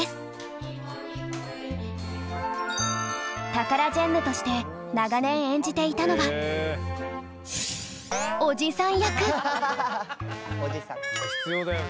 タカラジェンヌとして長年演じていたのは必要だよね。